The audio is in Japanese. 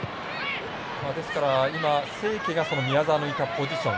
ですから清家が宮澤のいたポジション。